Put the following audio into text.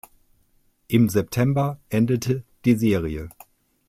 Im September endete die Serie.